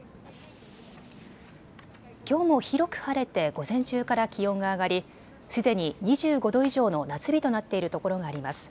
きょうも広く晴れて午前中から気温が上がり、すでに２５度以上の夏日となっているところがあります。